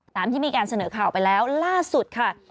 ตามที่มีการเสนอข่าวไปแล้วล่าสุดค่ะ